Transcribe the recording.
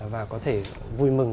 và có thể vui mừng